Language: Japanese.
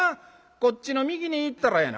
こっちの右に行ったらやな